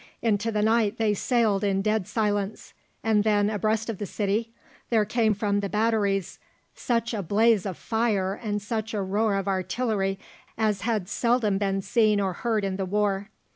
Into the night they sailed in dead silence, and then, abreast of the city, there came from the batteries such a blaze of fire and such a roar of artillery as had seldom been seen or heard in the war.